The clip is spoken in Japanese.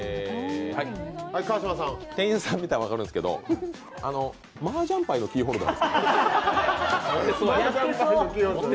店員さん見たら分かるんですけど、マージャンパイのキーホルダー。